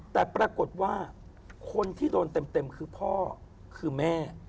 แต่ปรากฏว่าคนที่โดนเต็มคือพ่อคือแม่